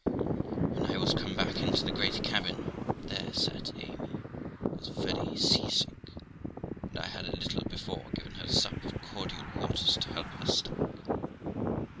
When I was come back into the great cabin, there sat Amy, who was very sea sick, and I had a little before given her a sup of cordial waters to help her stomach.